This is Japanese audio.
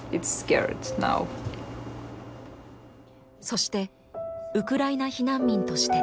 そしてウクライナ避難民として。